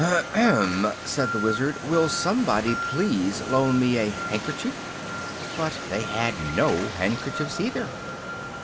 "Ahem!" said the Wizard, "will somebody please loan me a handkerchief?" But they had no handkerchiefs, either.